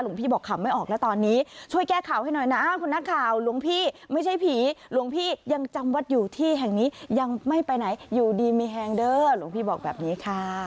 พี่บอกขำไม่ออกแล้วตอนนี้ช่วยแก้ข่าวให้หน่อยนะคุณนักข่าวหลวงพี่ไม่ใช่ผีหลวงพี่ยังจำวัดอยู่ที่แห่งนี้ยังไม่ไปไหนอยู่ดีมีแฮงเด้อหลวงพี่บอกแบบนี้ค่ะ